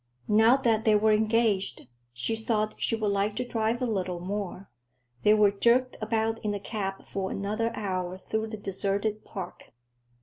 Now that they were engaged, she thought she would like to drive a little more. They were jerked about in the cab for another hour through the deserted Park.